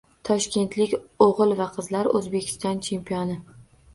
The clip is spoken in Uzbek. Toshkentlik o‘g‘il va qizlar – O‘zbekiston chempioni